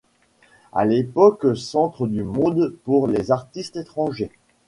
À l’époque centre du monde pour les artistes étrangers.